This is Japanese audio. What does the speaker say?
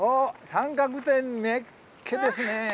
三角点めっけですね。